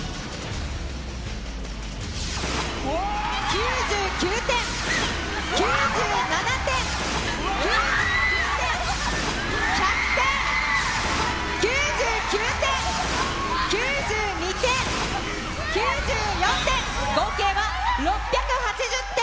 ９９点、９７点、９９点、１００点、９９点、９２点、９４点、合計は６８０点。